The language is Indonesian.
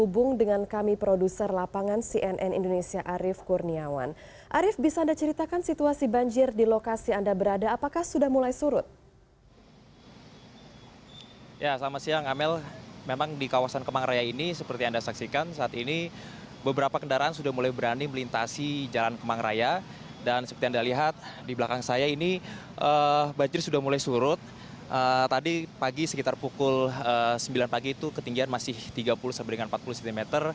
pukul sembilan pagi itu ketinggian masih tiga puluh sampai dengan empat puluh cm